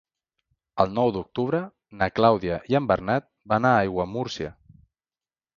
El nou d'octubre na Clàudia i en Bernat van a Aiguamúrcia.